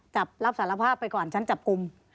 รับสารภาพไปก่อนชั้นจับกลุ่ม